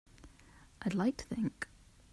I'd like to think.